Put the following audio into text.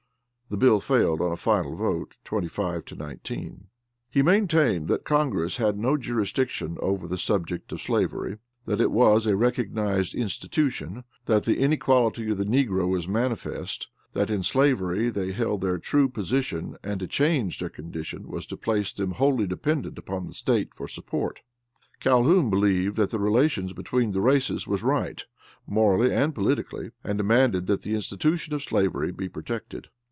The bill failed on a final vote, twenty five to nineteen. He maintained that Congress had no jurisdiction over the subject of slavery; that it was a recognized institution; that the inequality of the negro was manifest; that in slavery they held their true position and to change their condition was to place them wholly dependent upon the State for support. Calhoun, believed that the relations between the races was right, morally and politically, and demanded that the institution of slavery be protected.